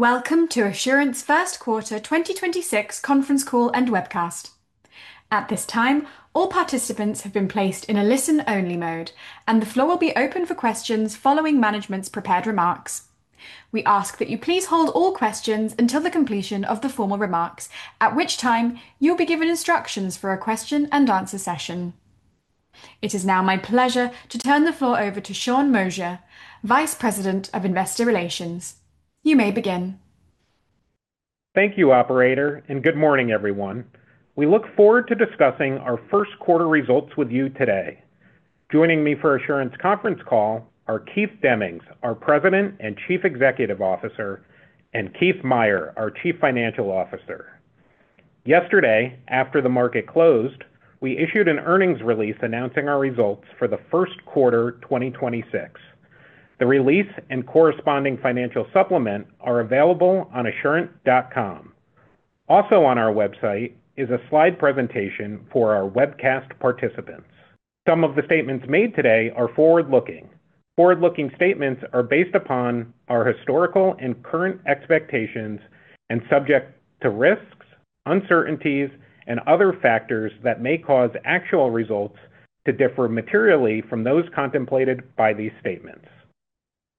Welcome to Assurant's first quarter 2026 conference call and webcast. At this time, all participants have been placed in a listen-only mode, and the floor will be open for questions following management's prepared remarks. We ask that you please hold all questions until the completion of the formal remarks, at which time you'll be given instructions for a question-and-answer session. It is now my pleasure to turn the floor over to Sean Moshier, Vice President of Investor Relations. You may begin. Thank you, operator, and good morning, everyone. We look forward to discussing our first quarter results with you today. Joining me for Assurant's conference call are Keith Demmings, our President and Chief Executive Officer, and Keith Meier, our Chief Financial Officer. Yesterday, after the market closed, we issued an earnings release announcing our results for the first quarter 2026. The release and corresponding financial supplement are available on assurant.com. Also on our website is a slide presentation for our webcast participants. Some of the statements made today are forward-looking. Forward-looking statements are based upon our historical and current expectations and subject to risks, uncertainties, and other factors that may cause actual results to differ materially from those contemplated by these statements.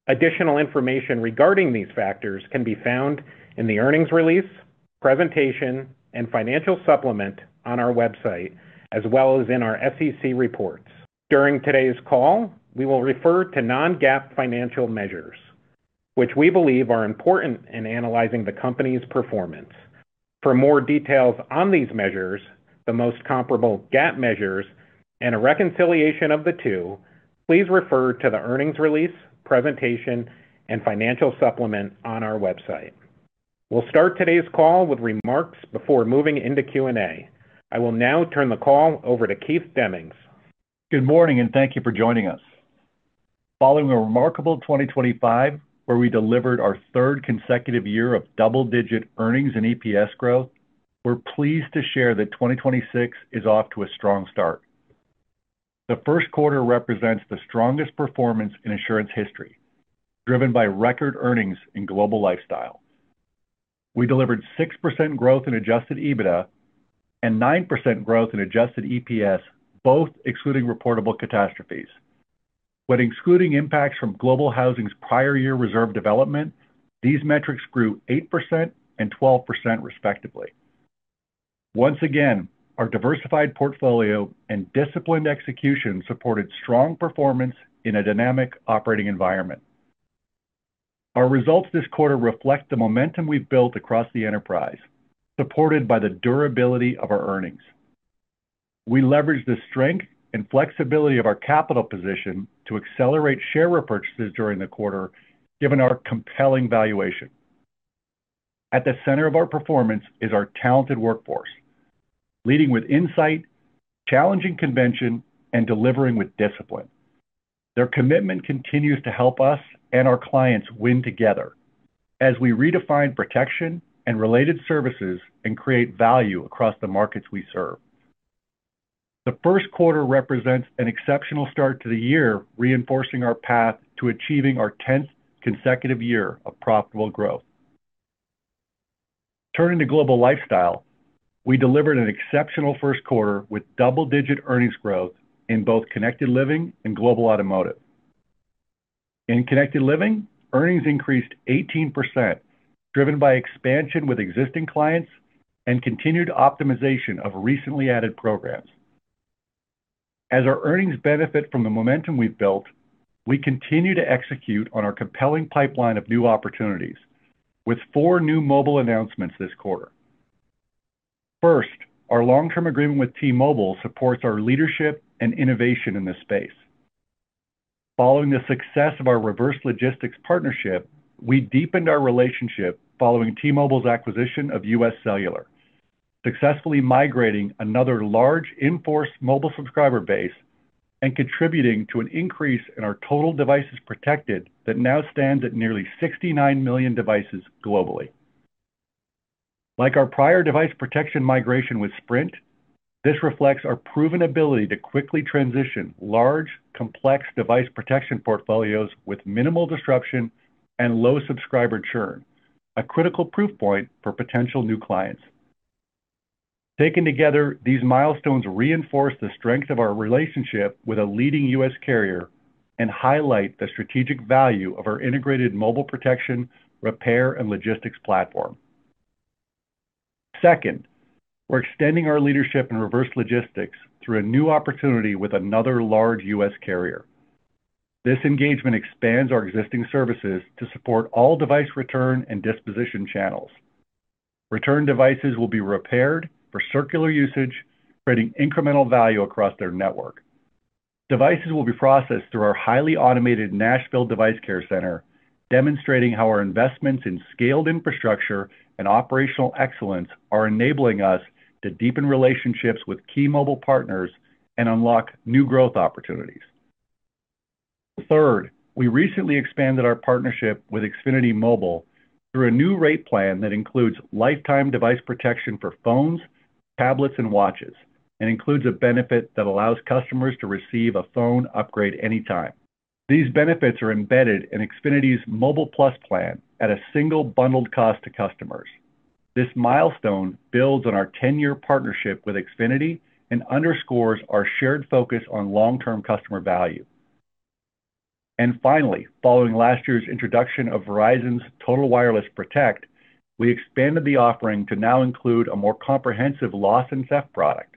Additional information regarding these factors can be found in the earnings release, presentation, and financial supplement on our website, as well as in our SEC reports. During today's call, we will refer to non-GAAP financial measures, which we believe are important in analyzing the company's performance. For more details on these measures, the most comparable GAAP measures, and a reconciliation of the two, please refer to the earnings release, presentation, and financial supplement on our website. We'll start today's call with remarks before moving into Q&A. I will now turn the call over to Keith Demmings. Good morning, and thank you for joining us. Following a remarkable 2025, where we delivered our 3rd consecutive year of double-digit earnings and EPS growth, we're pleased to share that 2026 is off to a strong start. The first quarter represents the strongest performance in Assurant's history, driven by record earnings in Global Lifestyle. We delivered 6% growth in adjusted EBITDA and 9% growth in adjusted EPS, both excluding reportable catastrophes. When excluding impacts from Global Housing's prior year reserve development, these metrics grew 8% and 12% respectively. Once again, our diversified portfolio and disciplined execution supported strong performance in a dynamic operating environment. Our results this quarter reflect the momentum we've built across the enterprise, supported by the durability of our earnings. We leveraged the strength and flexibility of our capital position to accelerate share repurchases during the quarter, given our compelling valuation. At the center of our performance is our talented workforce, leading with insight, challenging convention, and delivering with discipline. Their commitment continues to help us and our clients win together as we redefine protection and related services and create value across the markets we serve. The first quarter represents an exceptional start to the year, reinforcing our path to achieving our 10th consecutive year of profitable growth. Turning to Global Lifestyle, we delivered an exceptional first quarter with double-digit earnings growth in both Connected Living and Global Automotive. In Connected Living, earnings increased 18%, driven by expansion with existing clients and continued optimization of recently added programs. As our earnings benefit from the momentum we've built, we continue to execute on our compelling pipeline of new opportunities with four new mobile announcements this quarter. First, our long-term agreement with T-Mobile supports our leadership and innovation in this space. Following the success of our reverse logistics partnership, we deepened our relationship following T-Mobile's acquisition of UScellular, successfully migrating another large in-force mobile subscriber base and contributing to an increase in our total devices protected that now stands at nearly 69 million devices globally. Like our prior device protection migration with Sprint, this reflects our proven ability to quickly transition large, complex device protection portfolios with minimal disruption and low subscriber churn, a critical proof point for potential new clients. Taken together, these milestones reinforce the strength of our relationship with a leading U.S. carrier and highlight the strategic value of our integrated mobile protection, repair, and logistics platform. Second, we're extending our leadership in reverse logistics through a new opportunity with another large U.S. carrier. This engagement expands our existing services to support all device return and disposition channels. Return devices will be repaired for circular usage, creating incremental value across their network. Devices will be processed through our highly automated Nashville Device Care Center, demonstrating how our investments in scaled infrastructure and operational excellence are enabling us to deepen relationships with key mobile partners and unlock new growth opportunities. Third, we recently expanded our partnership with Xfinity Mobile through a new rate plan that includes lifetime device protection for phones, tablets, and watches and includes a benefit that allows customers to receive a phone upgrade anytime. These benefits are embedded in Xfinity's Mobile Plus plan at a single bundled cost to customers. This milestone builds on our 10-year partnership with Xfinity and underscores our shared focus on long-term customer value. Finally, following last year's introduction of Verizon's Total Wireless Protect, we expanded the offering to now include a more comprehensive loss and theft product.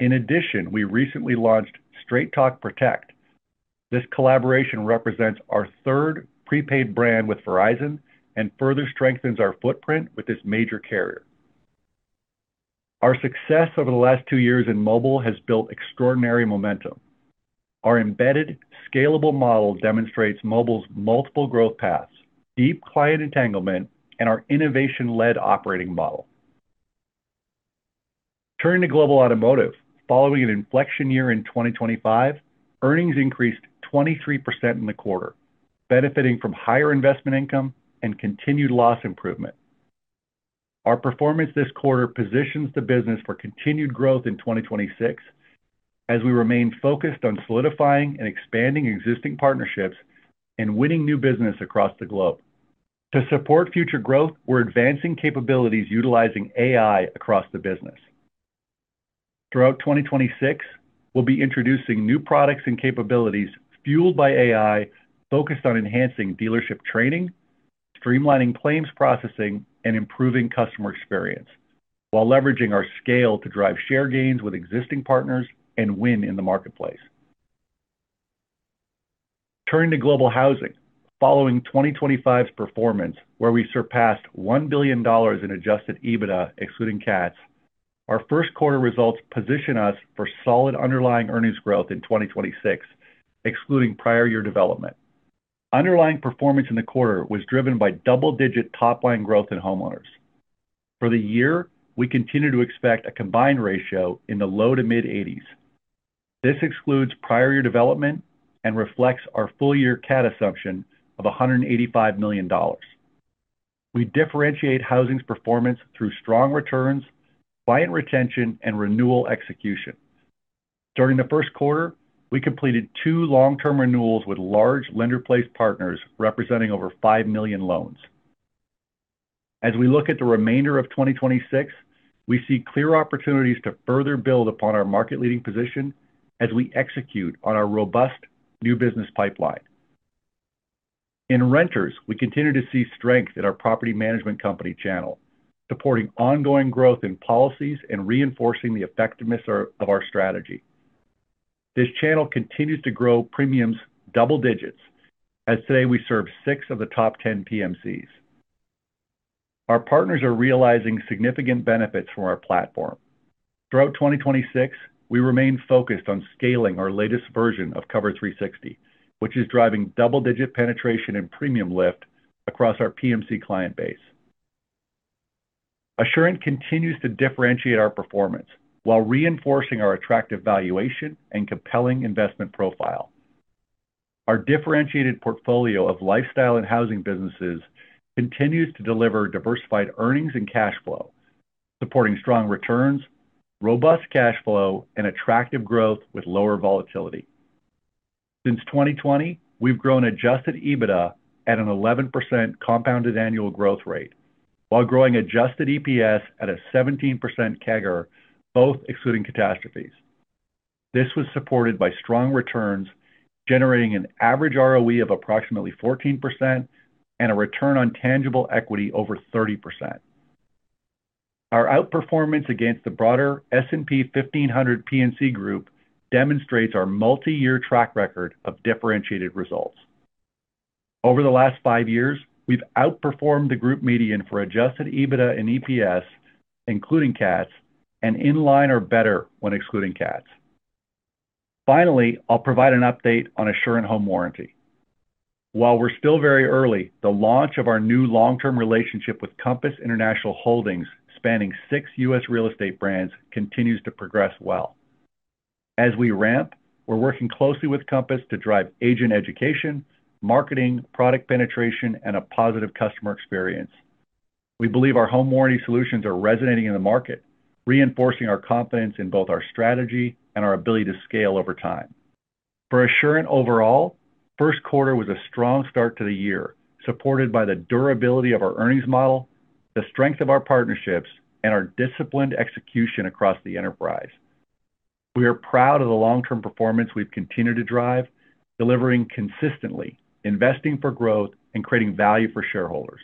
In addition, we recently launched Straight Talk Protect. This collaboration represents our third prepaid brand with Verizon and further strengthens our footprint with this major carrier. Our success over the last two years in mobile has built extraordinary momentum. Our embedded scalable model demonstrates mobile's multiple growth paths, deep client entanglement, and our innovation-led operating model. Turning to Global Automotive. Following an inflection year in 2025, earnings increased 23% in the quarter, benefiting from higher investment income and continued loss improvement. Our performance this quarter positions the business for continued growth in 2026 as we remain focused on solidifying and expanding existing partnerships and winning new business across the globe. To support future growth, we're advancing capabilities utilizing AI across the business. Throughout 2026, we'll be introducing new products and capabilities fueled by AI, focused on enhancing dealership training, streamlining claims processing, and improving customer experience, while leveraging our scale to drive share gains with existing partners and win in the marketplace. Turning to Global Housing. Following 2025's performance, where we surpassed $1 billion in adjusted EBITDA excluding CATs, our first quarter results position us for solid underlying earnings growth in 2026, excluding prior year development. Underlying performance in the quarter was driven by double-digit top line growth in homeowners. For the year, we continue to expect a combined ratio in the low to mid-80s. This excludes prior year development and reflects our full-year CAT assumption of $185 million. We differentiate housing's performance through strong returns, client retention, and renewal execution. During the first quarter, we completed two long-term renewals with large lender-placed partners representing over 5 million loans. As we look at the remainder of 2026, we see clear opportunities to further build upon our market-leading position as we execute on our robust new business pipeline. In renters, we continue to see strength in our property management company channel, supporting ongoing growth in policies and reinforcing the effectiveness of our strategy. This channel continues to grow premiums double digits, as today we serve 6 of the top 10 PMCs. Our partners are realizing significant benefits from our platform. Throughout 2026, we remain focused on scaling our latest version of Cover360, which is driving double-digit penetration and premium lift across our PMC client base. Assurant continues to differentiate our performance while reinforcing our attractive valuation and compelling investment profile. Our differentiated portfolio of lifestyle and housing businesses continues to deliver diversified earnings and cash flow, supporting strong returns, robust cash flow, and attractive growth with lower volatility. Since 2020, we've grown adjusted EBITDA at an 11% compounded annual growth rate while growing adjusted EPS at a 17% CAGR, both excluding catastrophes. This was supported by strong returns, generating an average ROE of approximately 14% and a return on tangible equity over 30%. Our outperformance against the broader S&P 1500 P&C group demonstrates our multi-year track record of differentiated results. Over the last 5 years, we've outperformed the group median for adjusted EBITDA and EPS, including CATs, and in line or better when excluding CATs. Finally, I'll provide an update on Assurant Home Warranty. While we're still very early, the launch of our new long-term relationship with Compass International Holdings, spanning 6 U.S. real estate brands, continues to progress well. As we ramp, we're working closely with Compass to drive agent education, marketing, product penetration, and a positive customer experience. We believe our home warranty solutions are resonating in the market, reinforcing our confidence in both our strategy and our ability to scale over time. For Assurant overall, first quarter was a strong start to the year, supported by the durability of our earnings model, the strength of our partnerships, and our disciplined execution across the enterprise. We are proud of the long-term performance we've continued to drive, delivering consistently, investing for growth, and creating value for shareholders.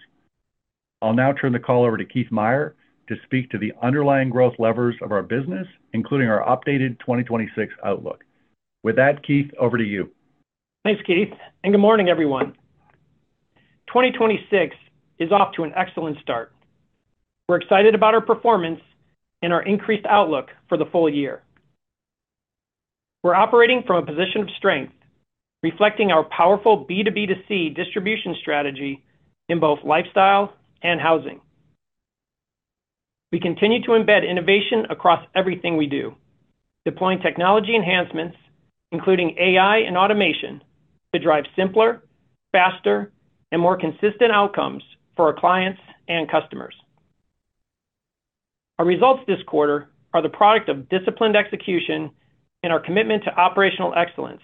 I'll now turn the call over to Keith Meier to speak to the underlying growth levers of our business, including our updated 2026 outlook. With that, Keith, over to you. Thanks, Keith. Good morning, everyone. 2026 is off to an excellent start. We're excited about our performance and our increased outlook for the full year. We're operating from a position of strength, reflecting our powerful B2B2C distribution strategy in both Global Lifestyle and Global Housing. We continue to embed innovation across everything we do, deploying technology enhancements, including AI and automation, to drive simpler, faster, and more consistent outcomes for our clients and customers. Our results this quarter are the product of disciplined execution and our commitment to operational excellence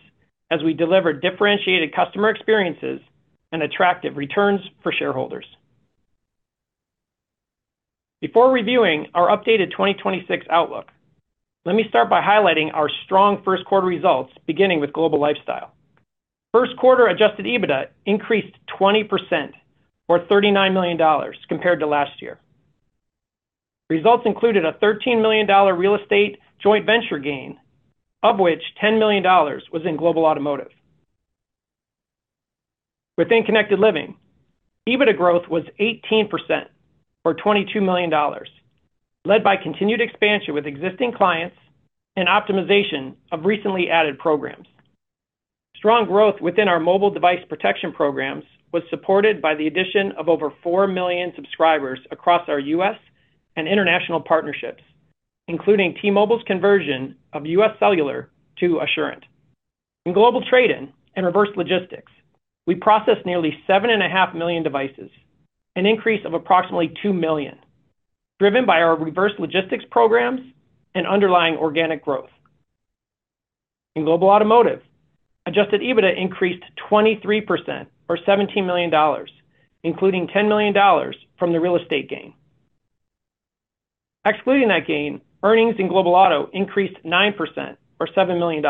as we deliver differentiated customer experiences and attractive returns for shareholders. Before reviewing our updated 2026 outlook, let me start by highlighting our strong first quarter results, beginning with Global Lifestyle. First quarter adjusted EBITDA increased 20% or $39 million compared to last year. Results included a $13 million real estate joint venture gain, of which $10 million was in Global Automotive. Within Connected Living, adjusted EBITDA growth was 18% or $22 million, led by continued expansion with existing clients and optimization of recently added programs. Strong growth within our mobile device protection programs was supported by the addition of over 4 million subscribers across our U.S. and international partnerships, including T-Mobile's conversion of UScellular to Assurant. In global trade-in and reverse logistics, we processed nearly 7.5 million devices, an increase of approximately 2 million, driven by our reverse logistics programs and underlying organic growth. In Global Automotive, adjusted EBITDA increased 23% or $17 million, including $10 million from the real estate gain. Excluding that gain, earnings in Global Auto increased 9% or $7 million.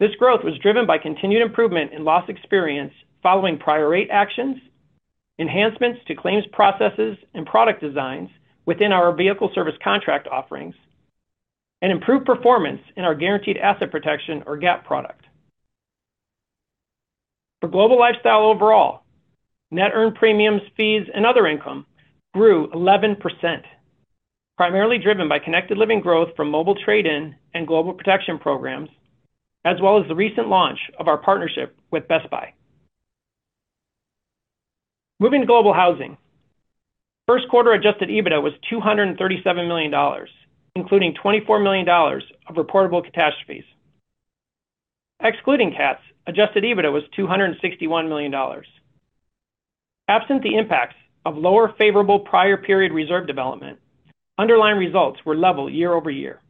This growth was driven by continued improvement in loss experience following prior rate actions, enhancements to claims processes and product designs within our vehicle service contract offerings, and improved performance in our guaranteed asset protection or GAP product. For Global Lifestyle overall, net earned premiums, fees, and other income grew 11%, primarily driven by Connected Living growth from mobile trade-in and global protection programs, as well as the recent launch of our partnership with Best Buy. Moving to Global Housing, first quarter adjusted EBITDA was $237 million, including $24 million of reportable catastrophes. Excluding CATs, adjusted EBITDA was $261 million. Absent the impacts of lower favorable prior period reserve development, underlying results were level year-over-year.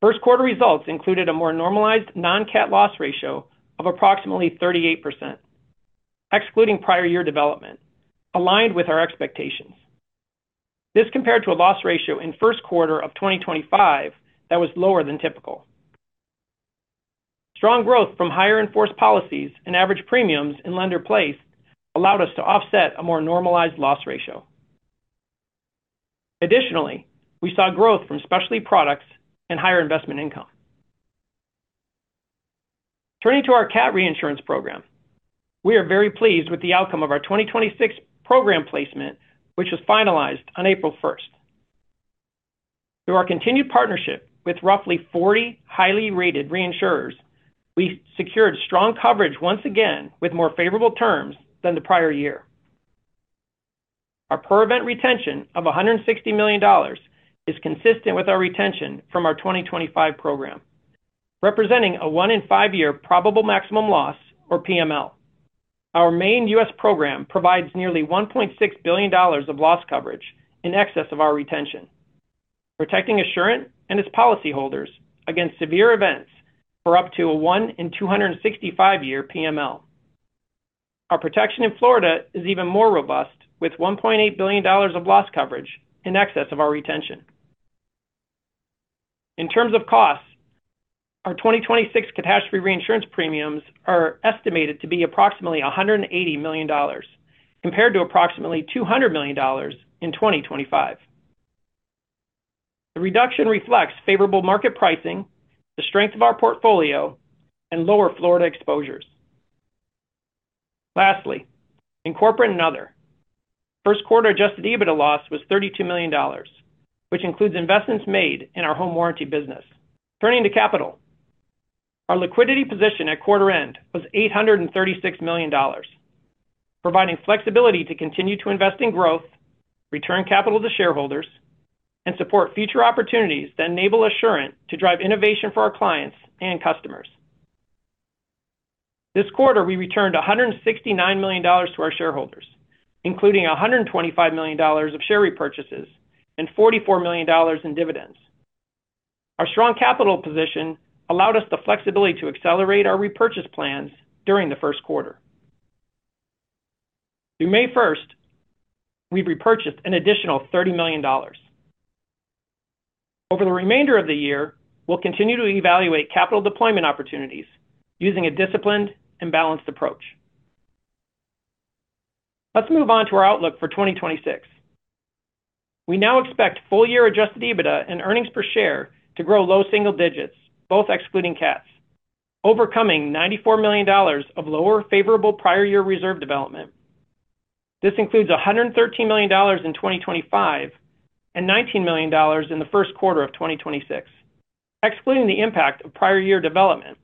First quarter results included a more normalized non-cat loss ratio of approximately 38%, excluding prior year development, aligned with our expectations. This compared to a loss ratio in first quarter of 2025 that was lower than typical. Strong growth from higher enforced policies and average premiums in lender-placed allowed us to offset a more normalized loss ratio. Additionally, we saw growth from specialty products and higher investment income. Turning to our CAT reinsurance program, we are very pleased with the outcome of our 2026 program placement, which was finalized on April first. Through our continued partnership with roughly 40 highly rated reinsurers, we secured strong coverage once again with more favorable terms than the prior year. Our per event retention of $160 million is consistent with our retention from our 2025 program, representing a one in five year Probable Maximum Loss, or PML. Our main U.S. program provides nearly $1.6 billion of loss coverage in excess of our retention, protecting Assurant and its policyholders against severe events for up to a one in 265 year PML. Our protection in Florida is even more robust with $1.8 billion of loss coverage in excess of our retention. In terms of costs, our 2026 catastrophe reinsurance premiums are estimated to be approximately $180 million compared to approximately $200 million in 2025. The reduction reflects favorable market pricing, the strength of our portfolio, and lower Florida exposures. Lastly, in Corporate and Other, first quarter adjusted EBITDA loss was $32 million, which includes investments made in our home warranty business. Turning to capital, our liquidity position at quarter end was $836 million, providing flexibility to continue to invest in growth, return capital to shareholders, and support future opportunities that enable Assurant to drive innovation for our clients and customers. This quarter, we returned $169 million to our shareholders, including $125 million of share repurchases and $44 million in dividends. Our strong capital position allowed us the flexibility to accelerate our repurchase plans during the first quarter. Through May first, we repurchased an additional $30 million. Over the remainder of the year, we'll continue to evaluate capital deployment opportunities using a disciplined and balanced approach. Let's move on to our outlook for 2026. We now expect full year adjusted EBITDA and earnings per share to grow low single digits, both excluding CATs, overcoming $94 million of lower favorable prior year reserve development. This includes $113 million in 2025 and $19 million in the first quarter of 2026. Excluding the impact of prior year development,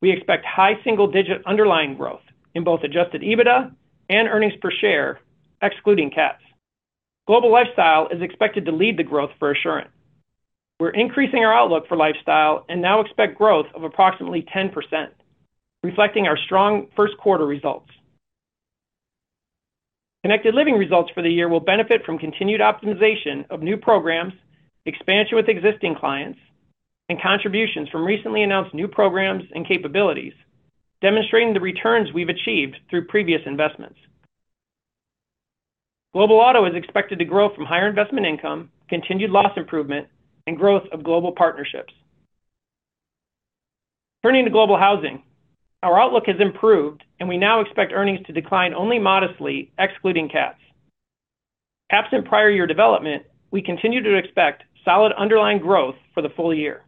we expect high single digit underlying growth in both adjusted EBITDA and earnings per share excluding CATs. Global Lifestyle is expected to lead the growth for Assurant. We're increasing our outlook for Lifestyle and now expect growth of approximately 10%, reflecting our strong first quarter results. Connected Living results for the year will benefit from continued optimization of new programs, expansion with existing clients, and contributions from recently announced new programs and capabilities, demonstrating the returns we've achieved through previous investments. Global Automotive is expected to grow from higher investment income, continued loss improvement, and growth of global partnerships. Turning to Global Housing, our outlook has improved, and we now expect earnings to decline only modestly, excluding CATs. Absent prior year development, we continue to expect solid underlying growth for the full year.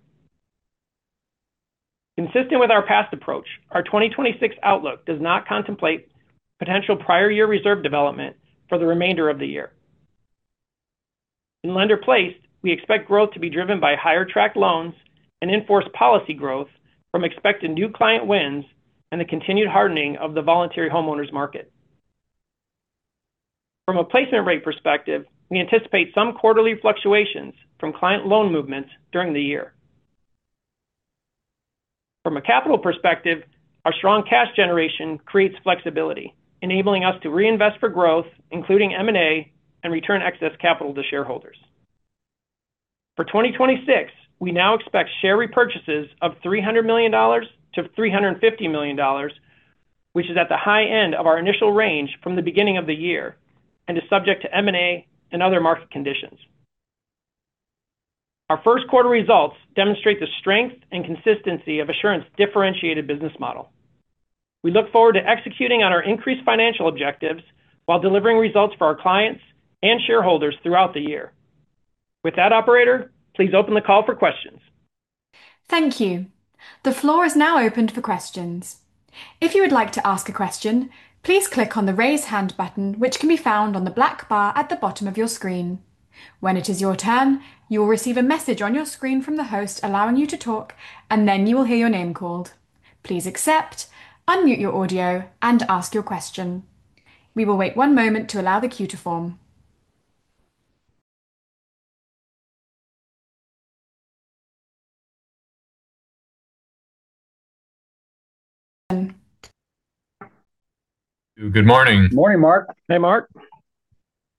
Consistent with our past approach, our 2026 outlook does not contemplate potential prior year reserve development for the remainder of the year. In lender-placed, we expect growth to be driven by higher tracked loans and enforced policy growth from expected new client wins and the continued hardening of the voluntary homeowners market. From a placement rate perspective, we anticipate some quarterly fluctuations from client loan movements during the year. From a capital perspective, our strong cash generation creates flexibility, enabling us to reinvest for growth, including M&A, and return excess capital to shareholders. For 2026, we now expect share repurchases of $300 million-$350 million, which is at the high end of our initial range from the beginning of the year and is subject to M&A and other market conditions. Our first quarter results demonstrate the strength and consistency of Assurant differentiated business model. We look forward to executing on our increased financial objectives while delivering results for our clients and shareholders throughout the year. With that, operator, please open the call for questions. Thank you. The floor is now opened for questions. If you would like to ask a question, please click on the raise hand button, which can be found on the black bar at the bottom of your screen. When it is done, you will receive a message on your screen from the host allowing you to talk, and then you will go ahead and call. Please accept, unmute your audio, and ask your question. We will wait one moment to allow the queue to form. Good morning. Morning, Mark. Hey, Mark.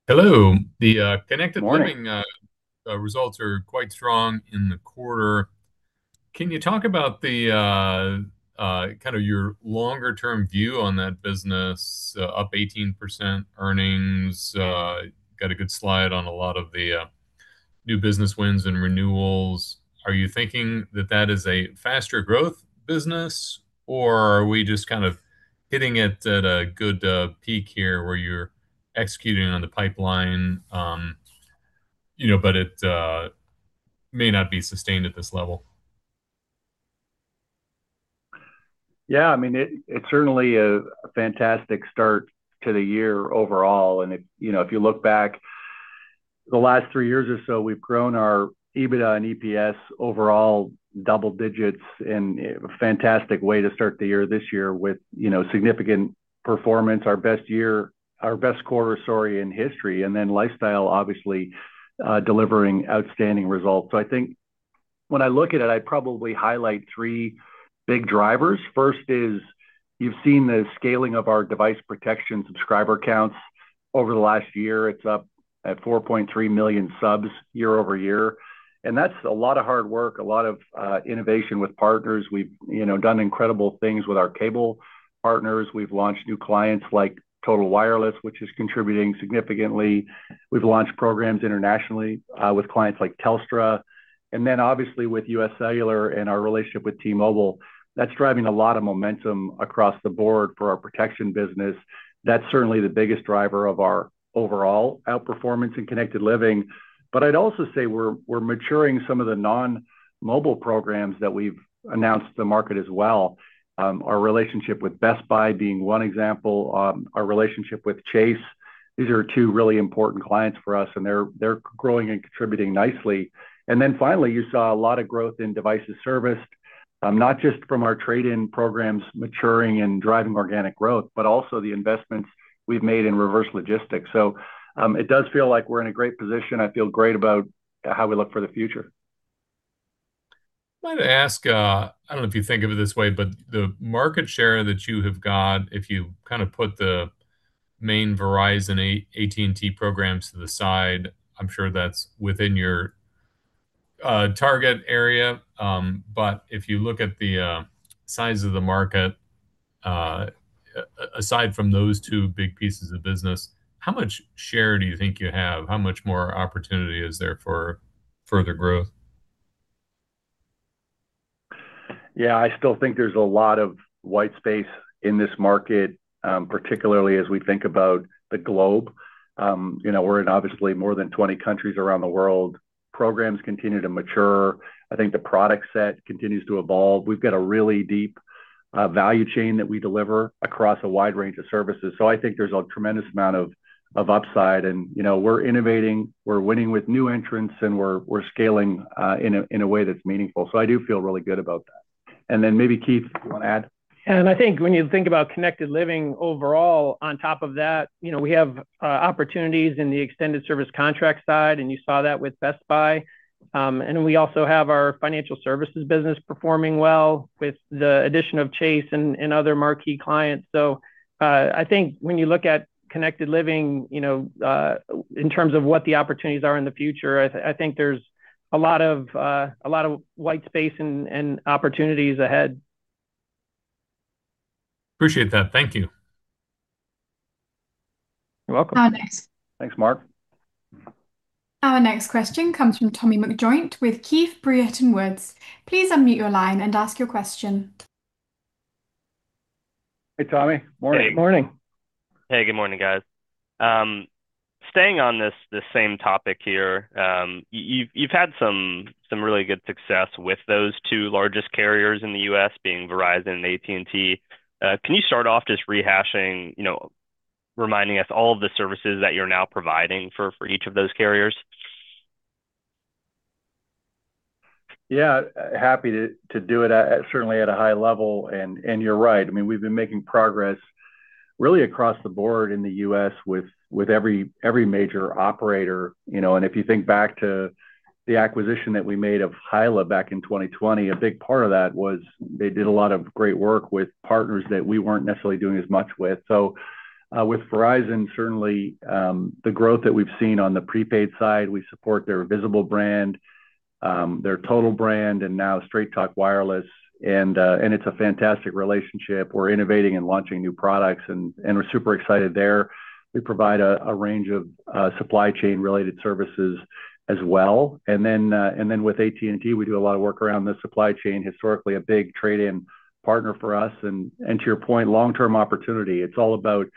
Hello. Morning Connected Living results are quite strong in the quarter. Can you talk about the kind of your longer term view on that business, up 18% earnings? Got a good slide on a lot of the new business wins and renewals. Are you thinking that that is a faster growth business, or are we just kind of hitting it at a good peak here where you're executing on the pipeline, you know, but it may not be sustained at this level? Yeah, I mean, it's certainly a fantastic start to the year overall. If, you know, if you look back the last 3 years or so, we've grown our EBITDA and EPS overall double digits and a fantastic way to start the year this year with, you know, significant performance, our best quarter, sorry, in history. Global Lifestyle, obviously, delivering outstanding results. I think when I look at it, I'd probably highlight 3 big drivers. First is you've seen the scaling of our device protection subscriber counts over the last year. It's up at 4.3 million subs year-over-year. That's a lot of hard work, a lot of innovation with partners. We've, you know, done incredible things with our cable partners. We've launched new clients like Total Wireless, which is contributing significantly. We've launched programs internationally with clients like Telstra, and then obviously with UScellular and our relationship with T-Mobile. That's driving a lot of momentum across the board for our protection business. That's certainly the biggest driver of our overall outperformance in Connected Living. I'd also say we're maturing some of the non-mobile programs that we've announced to the market as well, our relationship with Best Buy being one example, our relationship with Chase. These are two really important clients for us, and they're growing and contributing nicely. Finally, you saw a lot of growth in devices serviced, not just from our trade-in programs maturing and driving organic growth, but also the investments we've made in reverse logistics. It does feel like we're in a great position. I feel great about how we look for the future. I might ask, I don't know if you think of it this way, but the market share that you have got, if you kind of put the main Verizon, AT&T programs to the side, I'm sure that's within your target area. If you look at the size of the market, aside from those two big pieces of business, how much share do you think you have? How much more opportunity is there for further growth? Yeah, I still think there's a lot of white space in this market, particularly as we think about the globe. You know, we're in obviously more than 20 countries around the world. Programs continue to mature. I think the product set continues to evolve. We've got a really deep value chain that we deliver across a wide range of services. I think there's a tremendous amount of upside. You know, we're innovating, we're winning with new entrants, and we're scaling in a way that's meaningful. I do feel really good about that. Maybe Keith, you wanna add? I think when you think about Connected Living overall on top of that, you know, we have opportunities in the extended service contract side, and you saw that with Best Buy. We also have our financial services business performing well with the addition of Chase and other marquee clients. I think when you look at Connected Living, you know, in terms of what the opportunities are in the future, I think there's a lot of white space and opportunities ahead. Appreciate that. Thank you. You're welcome. Our next- Thanks, Mark. Our next question comes from Tommy McJoynt with Keefe, Bruyette, & Woods. Please unmute your line and ask your question. Hey, Tommy. Morning. Hey. Morning. Hey, good morning, guys. Staying on this same topic here, you've had some really good success with those two largest carriers in the U.S. being Verizon and AT&T. Can you start off just rehashing, you know, reminding us all of the services that you're now providing for each of those carriers? Yeah. Happy to do it at, certainly at a high level, you're right. I mean, we've been making progress really across the board in the U.S. with every major operator, you know? If you think back to the acquisition that we made of HYLA back in 2020, a big part of that was they did a lot of great work with partners that we weren't necessarily doing as much with. With Verizon, certainly, the growth that we've seen on the prepaid side, we support their Visible brand, their Total brand, Straight Talk Wireless, it's a fantastic relationship. We're innovating and launching new products and we're super excited there. We provide a range of supply chain related services as well. With AT&T, we do a lot of work around the supply chain, historically a big trade-in partner for us. To your point, long-term opportunity. It's all about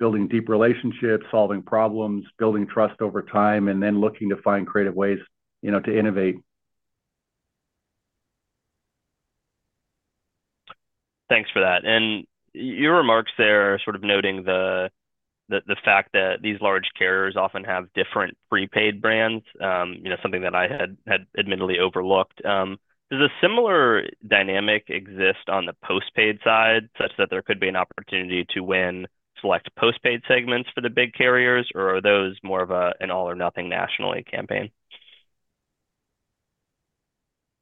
building deep relationships, solving problems, building trust over time, and then looking to find creative ways, you know, to innovate. Thanks for that. Your remarks there are sort of noting the fact that these large carriers often have different prepaid brands, you know, something that I had admittedly overlooked. Does a similar dynamic exist on the post-paid side such that there could be an opportunity to win select post-paid segments for the big carriers, or are those more of an all or nothing nationally campaign?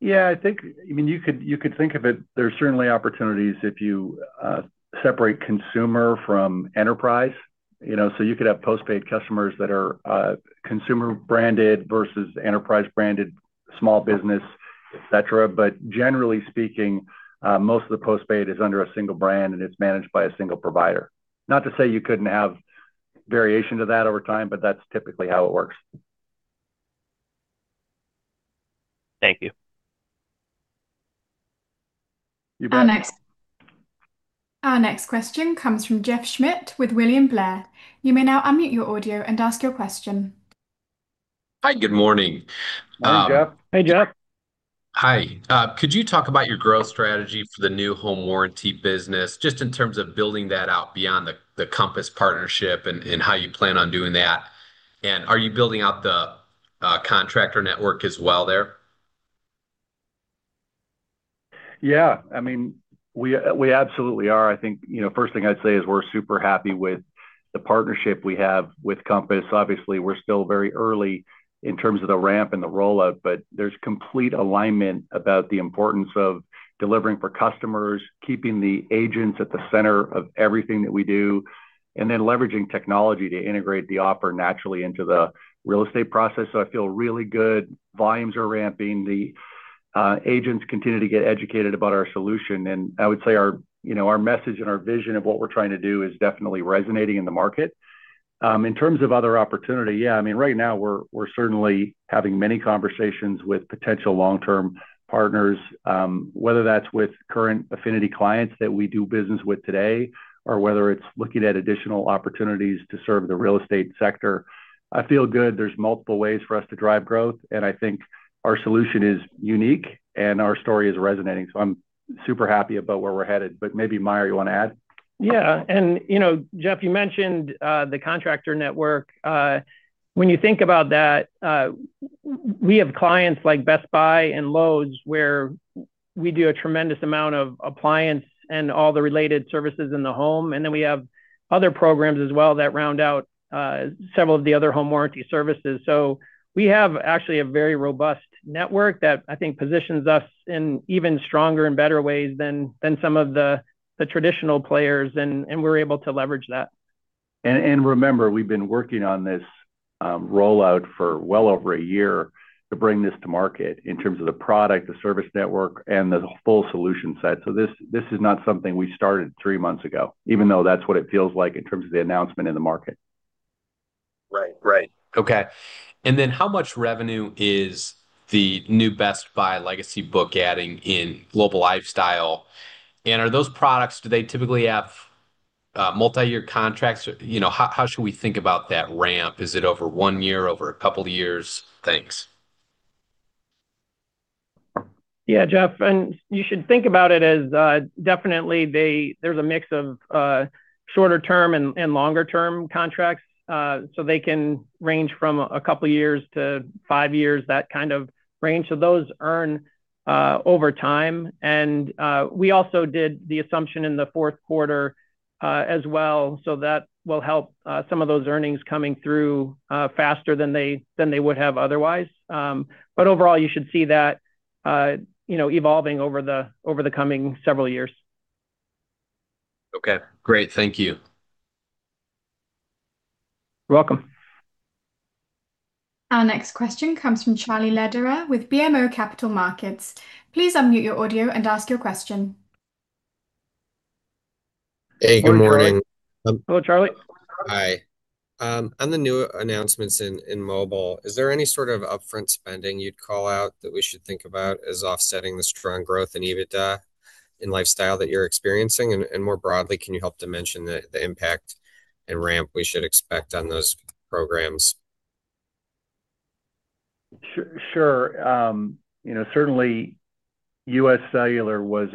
Yeah. I think, I mean, you could think of it, there's certainly opportunities if you separate consumer from enterprise. You know, you could have post-paid customers that are consumer branded versus enterprise branded, small business, et cetera. Generally speaking, most of the post-paid is under a single brand, and it's managed by a single provider. Not to say you couldn't have variation to that over time, but that's typically how it works. Thank you. You bet. Our next question comes from Jeff Schmitt with William Blair. Please unmute your line and ask your question. Hi, good morning. Hi, Jeff. Hey, Jeff. Hi. Could you talk about your growth strategy for the new home warranty business, just in terms of building that out beyond the Compass partnership and how you plan on doing that? Are you building out the contractor network as well there? I mean, we absolutely are. I think, you know, first thing I'd say is we're super happy with the partnership we have with Compass. Obviously, we're still very early in terms of the ramp and the rollout, but there's complete alignment about the importance of delivering for customers, keeping the agents at the center of everything that we do, and then leveraging technology to integrate the offer naturally into the real estate process, so I feel really good. Volumes are ramping. The agents continue to get educated about our solution, and I would say our, you know, our message and our vision of what we're trying to do is definitely resonating in the market. In terms of other opportunity, yeah, I mean, right now we're certainly having many conversations with potential long-term partners, whether that's with current Affinity clients that we do business with today, or whether it's looking at additional opportunities to serve the real estate sector. I feel good. There's multiple ways for us to drive growth, and I think our solution is unique, and our story is resonating, so I'm super happy about where we're headed. Maybe Meier, you wanna add? Yeah. You know, Jeff, you mentioned the contractor network. When you think about that, we have clients like Best Buy and Lowe's where we do a tremendous amount of appliance and all the related services in the home, and then we have other programs as well that round out several of the other home warranty services. We have actually a very robust network that I think positions us in even stronger and better ways than some of the traditional players, and we're able to leverage that. Remember, we've been working on this rollout for well over 1 year to bring this to market in terms of the product, the service network, and the full solution set. This is not something we started 3 months ago, even though that's what it feels like in terms of the announcement in the market. Right. Right. Okay. How much revenue is the new Best Buy legacy book adding in Global Lifestyle? Are those products, do they typically have multi-year contracts? You know, how should we think about that ramp? Is it over one year, over a couple of years? Thanks. Yeah, Jeff, you should think about it as definitely there's a mix of shorter term and longer term contracts. They can range from two years to five years, that kind of range. Those earn over time. We also did the assumption in the fourth quarter as well, so that will help some of those earnings coming through faster than they would have otherwise. Overall, you should see that, you know, evolving over the coming several years. Okay, great. Thank you. You're welcome. Our next question comes from Charlie Lederer with BMO Capital Markets. Please unmute your audio and ask your question. Hey, good morning. Hello, Charlie. Hi. On the new announcements in mobile, is there any sort of upfront spending you'd call out that we should think about as offsetting the strong growth in EBITDA in Lifestyle that you're experiencing? More broadly, can you help dimension the impact and ramp we should expect on those programs? Sure. you know, certainly UScellular was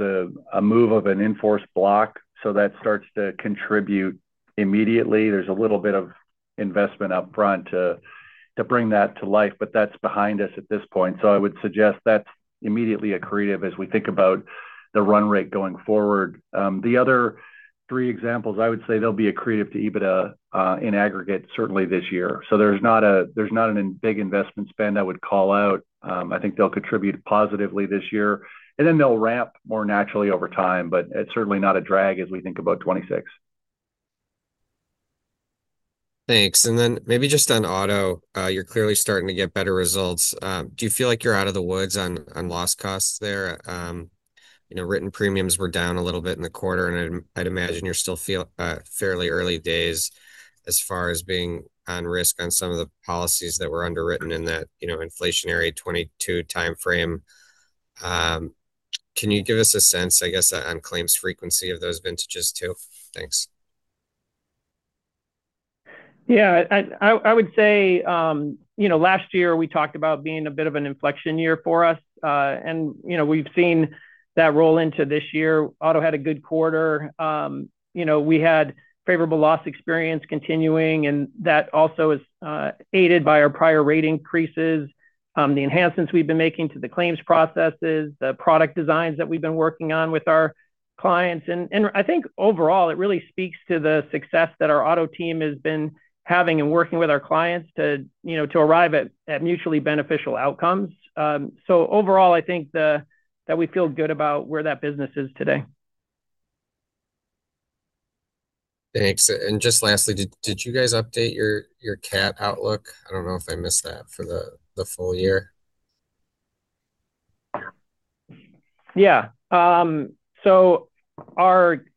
a move of an enforced block, That starts to contribute immediately. There's a little bit of investment upfront to bring that to life, but that's behind us at this point. I would suggest that's immediately accretive as we think about the run rate going forward. The other three examples, I would say they'll be accretive to EBITDA in aggregate certainly this year. There's not a big investment spend I would call out. I think they'll contribute positively this year, and then they'll ramp more naturally over time. It's certainly not a drag as we think about 2026. Thanks. Then maybe just on auto, you're clearly starting to get better results. Do you feel like you're out of the woods on loss costs there? You know, written premiums were down a little bit in the quarter, and I'd imagine you're still feel fairly early days as far as being on risk on some of the policies that were underwritten in that, you know, inflationary 2022 timeframe. Can you give us a sense, I guess, on claims frequency of those vintages too? Thanks. Yeah. I would say, you know, last year we talked about being a bit of an inflection year for us. You know, we've seen that roll into this year. Auto had a good quarter. You know, we had favorable loss experience continuing, that also is aided by our prior rate increases, the enhancements we've been making to the claims processes, the product designs that we've been working on with our clients. I think overall it really speaks to the success that our Auto team has been having in working with our clients to, you know, to arrive at mutually beneficial outcomes. Overall, I think that we feel good about where that business is today. Thanks. Just lastly, did you guys update your CAT outlook, I don't know if I missed that, for the full year? Yeah. Our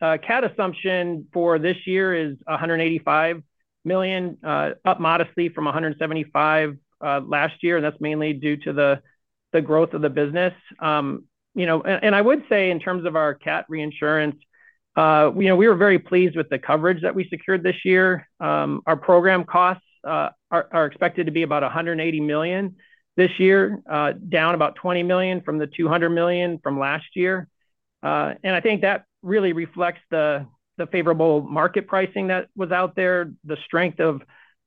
CAT assumption for this year is $185 million, up modestly from $175 million last year, and that's mainly due to the growth of the business. You know, I would say in terms of our CAT reinsurance, we were very pleased with the coverage that we secured this year. Our program costs are expected to be about $180 million this year, down about $20 million from the $200 million from last year. I think that really reflects the favorable market pricing that was out there, the strength of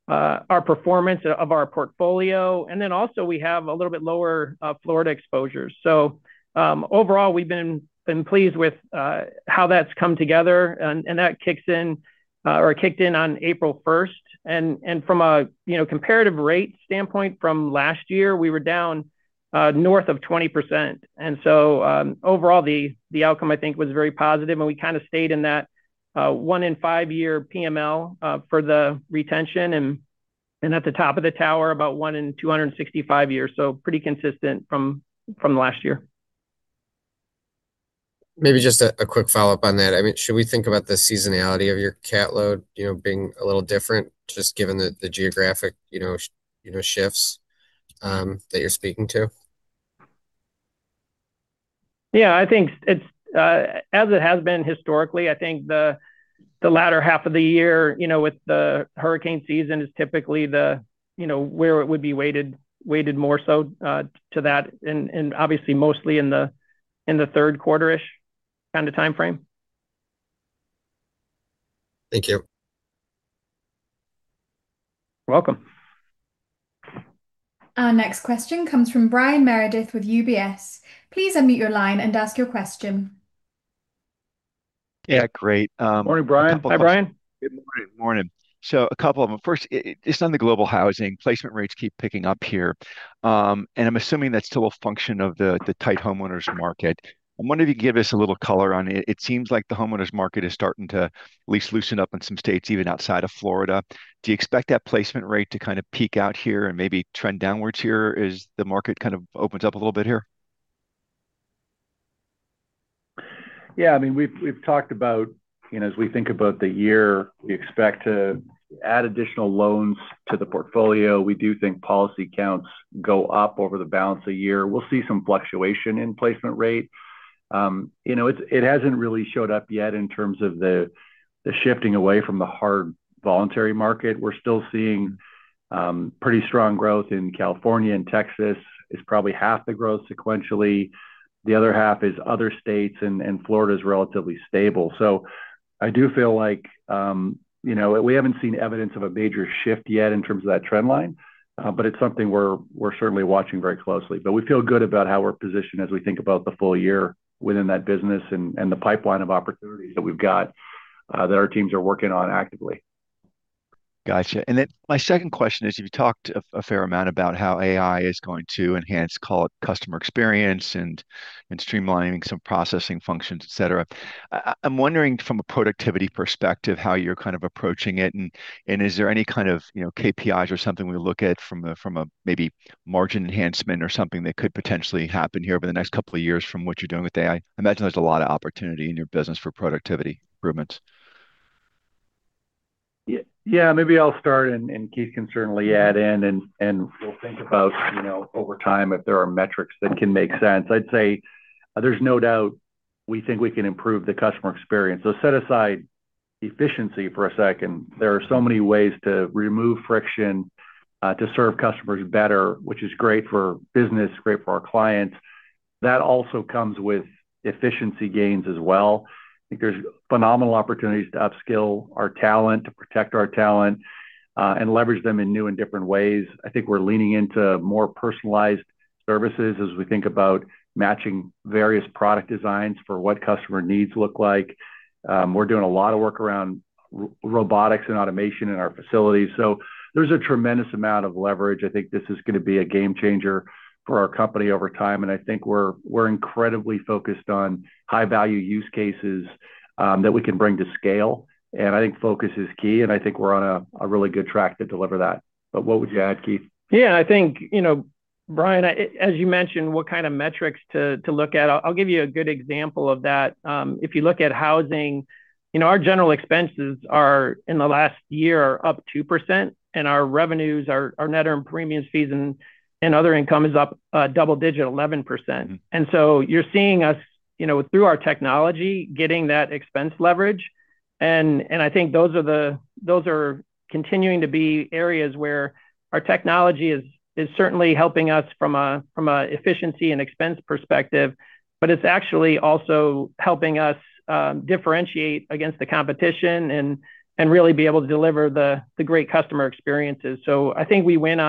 our performance of our portfolio, also we have a little bit lower Florida exposure. Overall, we've been pleased with how that's come together and that kicks in or kicked in on April 1st. From a, you know, comparative rate standpoint from last year, we were down north of 20%. Overall, the outcome I think was very positive and we kind of stayed in that 1 in 5-year PML for the retention and at the top of the tower about 1 in 265 years. Pretty consistent from last year. Maybe just a quick follow-up on that. I mean, should we think about the seasonality of your CAT load, you know, being a little different just given the geographic, you know, shifts that you're speaking to? I think it's, as it has been historically, I think the latter half of the year, you know, with the hurricane season is typically the, you know, where it would be weighted more so to that and obviously mostly in the third quarter-ish kind of timeframe. Thank you. You're welcome. Our next question comes from Brian Meredith with UBS. Please unmute your line and ask your question. Yeah, great. Morning, Brian. Hi, Brian. Good morning. Morning. A couple of them. First, just on the Global Housing, placement rates keep picking up here. I'm assuming that's still a function of the tight homeowners market. I'm wondering if you could give us a little color on it. It seems like the homeowners market is starting to at least loosen up in some states, even outside of Florida. Do you expect that placement rate to kind of peak out here and maybe trend downwards here as the market kind of opens up a little bit here? Yeah, I mean, we've talked about, you know, as we think about the year, we expect to add additional loans to the portfolio. We do think policy counts go up over the balance of the year. We'll see some fluctuation in placement rate. You know, it hasn't really showed up yet in terms of the shifting away from the hard voluntary market. We're still seeing pretty strong growth in California and Texas. It's probably half the growth sequentially. The other half is other states, and Florida's relatively stable. I do feel like, you know, we haven't seen evidence of a major shift yet in terms of that trend line, but it's something we're certainly watching very closely. We feel good about how we're positioned as we think about the full year within that business and the pipeline of opportunities that we've got, that our teams are working on actively. Gotcha. My second question is, you've talked a fair amount about how AI is going to enhance, call it customer experience and streamlining some processing functions, et cetera. I'm wondering from a productivity perspective how you're kind of approaching it and is there any kind of, you know, KPIs or something we look at from a maybe margin enhancement or something that could potentially happen here over the next 2 years from what you're doing with AI? I imagine there's a lot of opportunity in your business for productivity improvements. Yeah, maybe I'll start, and Keith can certainly add in and we'll think about, you know, over time if there are metrics that can make sense. I'd say there's no doubt we think we can improve the customer experience. Set aside efficiency for a second. There are so many ways to remove friction, to serve customers better, which is great for business, great for our clients. That also comes with efficiency gains as well. I think there's phenomenal opportunities to up-skill our talent, to protect our talent, and leverage them in new and different ways. I think we're leaning into more personalized services as we think about matching various product designs for what customer needs look like. We're doing a lot of work around robotics and automation in our facilities. There's a tremendous amount of leverage. I think this is gonna be a game changer for our company over time, and I think we're incredibly focused on high-value use cases that we can bring to scale. I think focus is key, and I think we're on a really good track to deliver that. What would you add, Keith? Yeah. I think, you know, Brian, as you mentioned, what kind of metrics to look at, I'll give you a good example of that. If you look at housing, you know, our general expenses are, in the last year, are up 2%, and our revenues, our net earn premiums, fees, and other income is up double-digit, 11%. You're seeing us, you know, through our technology, getting that expense leverage. I think those are continuing to be areas where our technology is certainly helping us from a efficiency and expense perspective. It's actually also helping us differentiate against the competition and really be able to deliver the great customer experiences. I think we win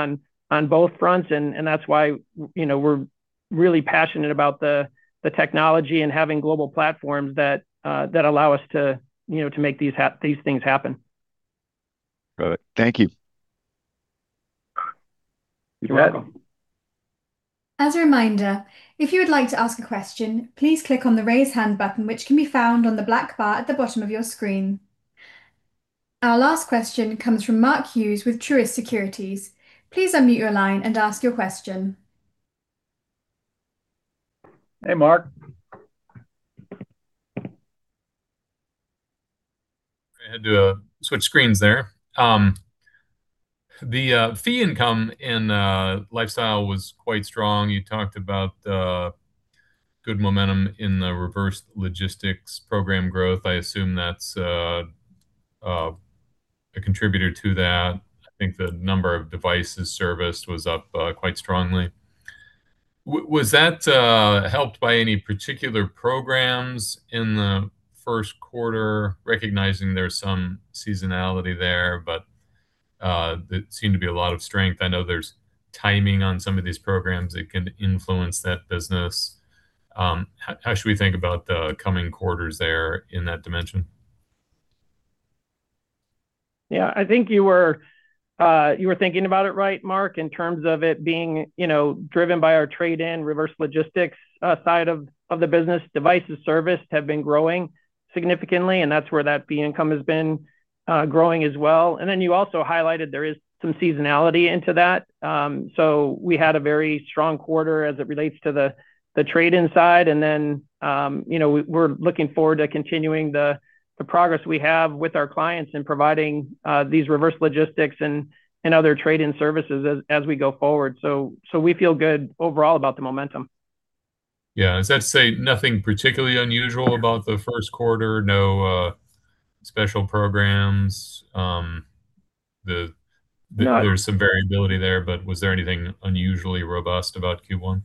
on both fronts and that's why you know, we're really passionate about the technology and having global platforms that allow us to, you know, to make these things happen. Got it. Thank you. You're welcome. You bet. As a reminder, if you would like to ask a question, please click on the Raise Hand button, which can be found on the black bar at the bottom of your screen. Our last question comes from Mark Hughes with Truist Securities. Please unmute your line and ask your question. Hey, Mark. I had to switch screens there. The fee income in Lifestyle was quite strong. You talked about good momentum in the reverse logistics program growth. I assume that's a contributor to that. I think the number of devices serviced was up quite strongly. Was that helped by any particular programs in the first quarter, recognizing there's some seasonality there, but there seemed to be a lot of strength. I know there's timing on some of these programs that can influence that business. How should we think about the coming quarters there in that dimension? I think you were thinking about it right, Mark, in terms of it being, you know, driven by our trade-in reverse logistics side of the business. Devices serviced have been growing significantly, and that's where that fee income has been growing as well. You also highlighted there is some seasonality into that. We had a very strong quarter as it relates to the trade-in side. You know, we're looking forward to continuing the progress we have with our clients in providing these reverse logistics and other trade-in services as we go forward. We feel good overall about the momentum. Yeah. Is that to say nothing particularly unusual about the first quarter? No, special programs? No there's some variability there, but was there anything unusually robust about Q1?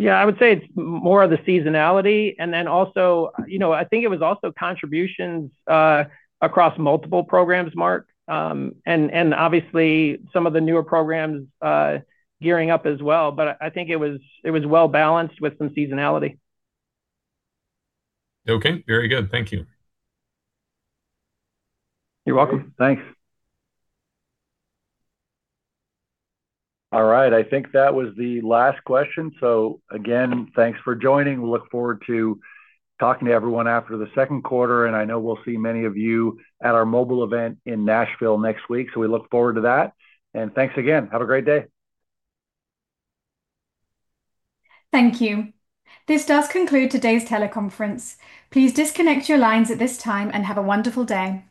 Yeah. I would say it's more of the seasonality, and then also, you know, I think it was also contributions across multiple programs, Mark. Obviously some of the newer programs gearing up as well. I think it was well-balanced with some seasonality. Okay. Very good. Thank you. You're welcome. Thanks. All right, I think that was the last question. Again, thanks for joining. We look forward to talking to everyone after the second quarter, and I know we'll see many of you at our mobile event in Nashville next week. We look forward to that. Thanks again. Have a great day. Thank you. This does conclude today's teleconference. Please disconnect your lines at this time, and have a wonderful day.